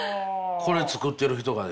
これ作ってる人がですか？